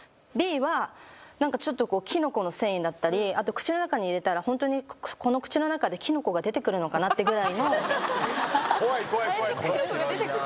Ｂはなんかちょっとキノコの繊維だったりあと口の中に入れたら本当にこの口の中でキノコが出てくるのかなってぐらいの怖い怖い怖いキノコが出てくる？